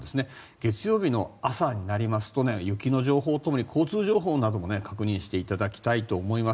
月曜日の朝になりますと雪の情報とともに特に交通情報なども確認していただきたいと思います。